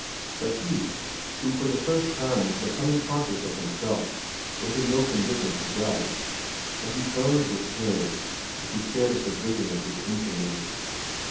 But he, who for the first time was becoming conscious of himself, was in no condition to judge, and he burned with shame as he stared at the vision of his infamy.